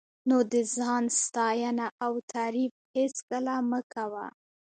نو د ځان ستاینه او تعریف هېڅکله مه کوه.